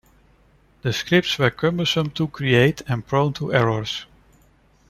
The scripts were cumbersome to create, and prone to errors.